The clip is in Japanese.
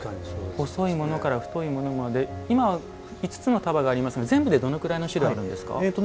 細いものから太いものまで今、５つの束がありますが全部でどのくらいの種類あるんですか？